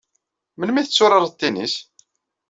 Melmi ay tetturareḍ tennis?